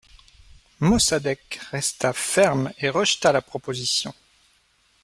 Mossadegh resta ferme et rejeta la proposition.